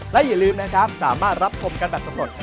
และอย่าลืมนะครับสามารถรับชมกันแบบสำรวจ